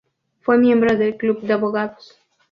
Fue miembro del Club de Abogados.